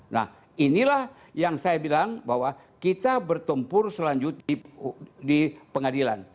nah inilah yang saya bilang bahwa kita bertempur selanjutnya di pengadilan